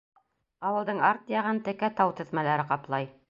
Ауылдың арт яғын текә тау теҙмәләре ҡаплай.